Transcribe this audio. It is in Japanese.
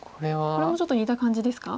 これもちょっと似た感じですか？